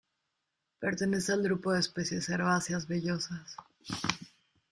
Pertenece al grupo de especies herbáceas vellosas.